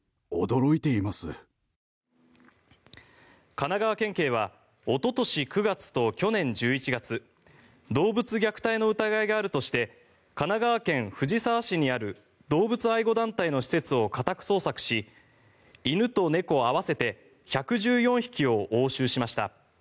神奈川県警はおととし９月と去年１１月動物虐待の疑いがあるとして神奈川県藤沢市にある動物愛護団体の施設を家宅捜索し犬と猫合わせて１１４匹を押収しました。